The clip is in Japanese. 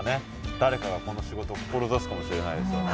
誰かがこの仕事を志すかもしれないですよね。